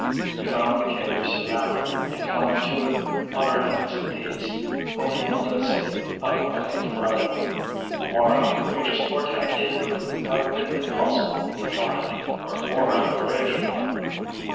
We found the cave soon after and climbed to it on our hands and knees, pulling Modestine up by his bridle. A more outrageous quartet it would have been impossible to find, or a more outraged one.